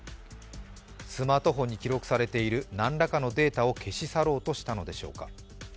スマートフォンに記録されている何らかのデータを消し去ろうとしたのでしょうか。